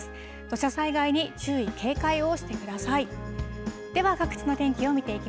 土砂災害に注意、警戒をしてください。